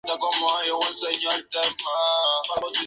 La voluntad, facultad del amor, orienta la razón hacia su bien.